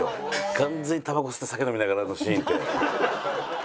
完全にタバコ吸って酒飲みながらのシーンって。